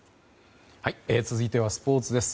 続いてはスポーツです。